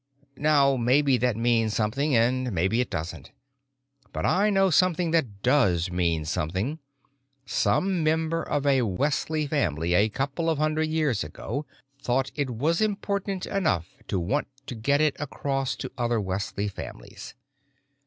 Now, maybe that means something and maybe it doesn't. But I know something that does mean something: some member of a Wesley Family a couple of hundred years ago thought it was important enough to want to get it across to other Wesley families.